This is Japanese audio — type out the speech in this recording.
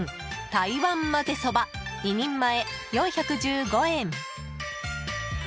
台湾まぜそば２人前、４１５円。